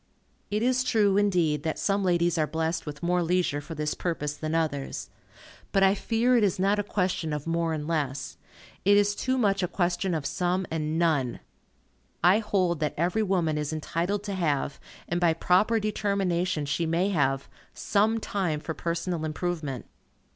It is true, indeed, that some ladies are blessed with more leisure for this purpose than others. But I fear it is not a question of more and less. It is too much a question of some and none. I hold that every woman is entitled to have, and by proper determination she may have, some time for personal improvement.